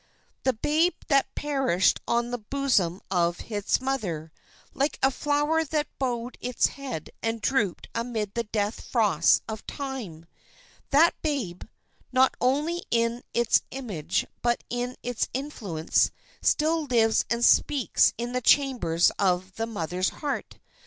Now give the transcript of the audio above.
The babe that perished on the bosom of its mother, like a flower that bowed its head and drooped amid the death frosts of time,—that babe, not only in its image, but in its influence, still lives and speaks in the chambers of the mother's heart.